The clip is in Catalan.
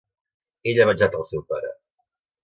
Ell ha venjat el seu pare.